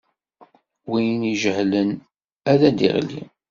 Win ijehlen ad d-iɣli.